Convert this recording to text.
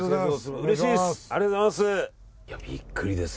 うれしいです！